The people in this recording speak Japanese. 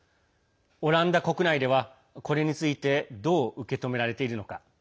オランダ国内では、これについてどう受け止められているのか。